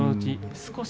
少し